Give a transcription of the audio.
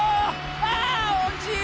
あおしい！